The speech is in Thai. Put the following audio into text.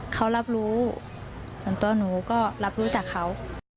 เขารับรู้ส่วนตัวหนูก็รับรู้จากเขา